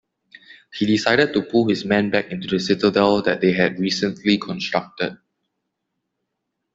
He decided to pull his men back into the citadel they had recently constructed.